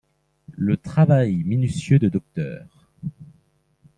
Le travail minutieux de Dr.